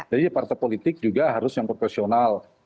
jadi partai politik juga harus yang proportional